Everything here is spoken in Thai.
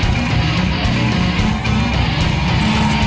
หมวกปีกดีกว่าหมวกปีกดีกว่า